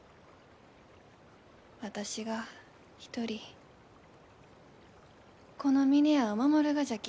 私が一人この峰屋を守るがじゃき。